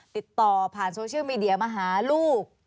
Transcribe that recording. ติดต่อผ่านโซเชียลมีเดียมาหาลูก